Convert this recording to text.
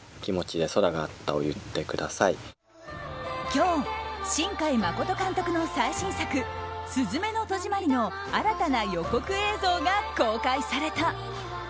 今日、新海誠監督の最新作「すずめの戸締まり」の新たな予告映像が公開された。